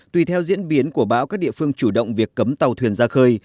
tùy theo diễn biến của bão các địa phương chủ động việc cấm tàu thuyền ra khơi